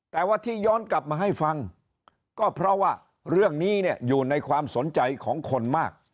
แต่ว่าที่ย้อนกลับมาให้ฟังก็เพราะว่าเรื่องนี้เนี่ยอยู่ในความสนใจของคนมาก